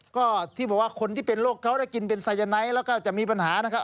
ก็ที่บอกว่าคนที่เป็นโรคเขาได้กินเป็นไซยาไนท์แล้วก็จะมีปัญหานะครับ